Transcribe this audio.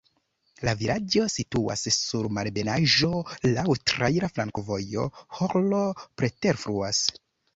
La vilaĝo situas sur malebenaĵo, laŭ traira flankovojo, Hron preterfluas.